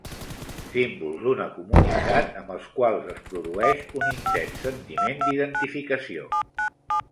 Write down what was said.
Símbols d'una comunitat amb els quals es produeix un intens sentiment d'identificació.